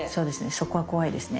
そこは怖いですね。